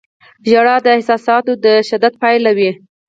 • ژړا د احساساتو د شدت پایله وي.